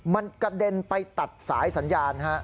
มันกระเด็นไปตัดสายสัญญาณ